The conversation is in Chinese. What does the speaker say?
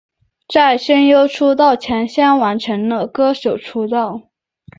在声优出道前先完成了歌手出道。